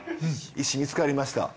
石見つかりました。